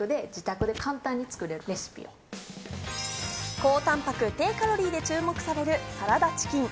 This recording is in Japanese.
高たんぱく、低カロリーで注目されるサラダチキン。